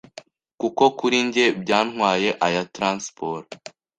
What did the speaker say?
kuko kuri njye byantwaye aya transport